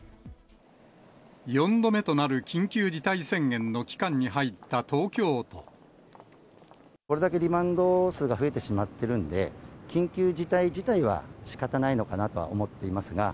４度目となる緊急事態宣言のこれだけリバウンド数が増えてしまってるんで、緊急事態自体はしかたないのかなとは思っていますが。